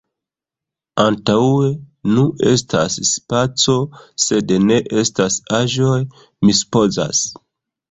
Antaŭe… Nu, estas spaco, sed ne estas aĵoj, mi supozas.